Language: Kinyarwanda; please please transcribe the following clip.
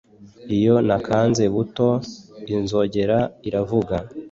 Iyo nakanze buto inzogera iravuza